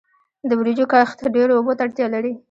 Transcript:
د وریجو کښت ډیرو اوبو ته اړتیا لري.